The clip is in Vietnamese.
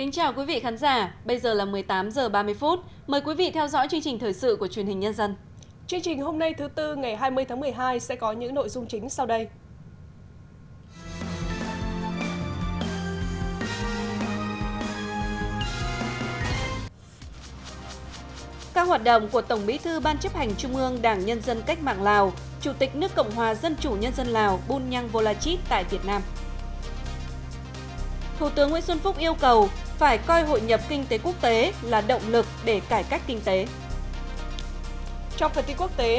chương trình hôm nay thứ tư ngày hai mươi tháng một mươi hai sẽ có những nội dung chính sau đây